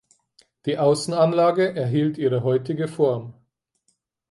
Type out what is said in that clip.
Die Außenanlage erhielt ihre heutige Form.